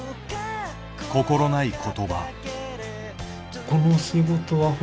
心ない言葉。